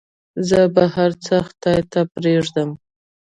زه به هرڅه خداى ته پرېږدم.